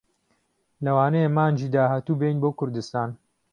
لەوانەیە مانگی داهاتوو بێین بۆ کوردستان.